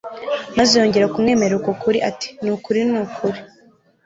maze yongera kumwemerera uko kuri ati: "Ni ukuri, ni ukuri